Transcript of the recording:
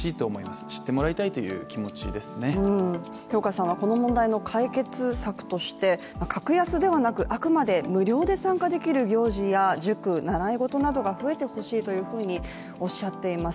ヒオカさんはこの問題の解決策として格安ではなく、あくまで無料で参加できる行事や塾、塾、習い事などが増えてほしいとおっしゃっています。